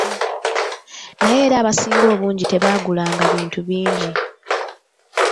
Naye era abasinga obungi tebaagulanga bintu bingi.